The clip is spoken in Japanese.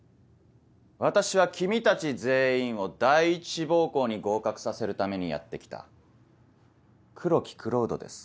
私は君たち全員を第一志望校に合格させるためにやって来た黒木蔵人です。